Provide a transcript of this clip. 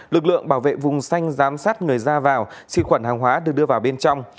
lực lượng bảo vệ vùng xanh giám sát người ra vào sinh hoạt hàng hóa được đưa vào bên trong